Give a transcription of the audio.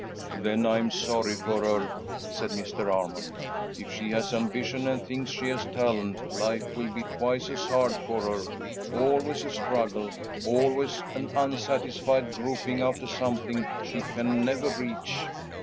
"Then I'm sorry for her," said Mr. Armond. "If she has ambition and thinks she has talent, life will be twice as hard for her, always a struggle, always an unsatisfied groping after something she can never reach."